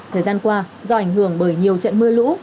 thời gian qua do ảnh hưởng bởi nhiều trận mưa lũ